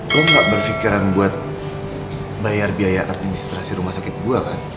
gue gak berpikiran buat bayar biaya administrasi rumah sakit gue kan